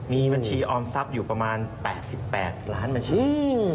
มีบัญชีออมทรัพย์อยู่ประมาณ๘๘ล้านบัญชี